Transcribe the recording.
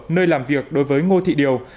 nơi làm việc đối với ngôi thị điều